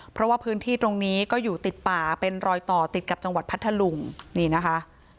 เพราะว่าพื้นที่ตรงนี้ก็อยู่ติดป่าเป็นรอยต่อติดกับจังหวัดพัทธลุงนี่นะคะ